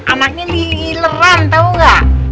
anaknya diileran tau gak